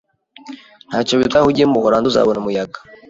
Ntacyo bitwaye aho ugiye mubuholandi, uzabona umuyaga.